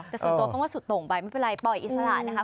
แต่ส่วนตัวผมว่าสุดตรงไปไม่เป็นไรเช้าอิสระนะคะ